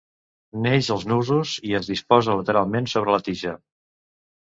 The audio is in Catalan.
Neix als nusos i es disposa lateralment sobre la tija.